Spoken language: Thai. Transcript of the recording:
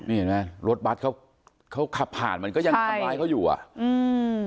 นี่เห็นไหมรถบัตรเขาเขาขับผ่านมันก็ยังทำร้ายเขาอยู่อ่ะอืม